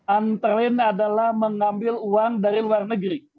antren adalah mengambil uang dari luar negeri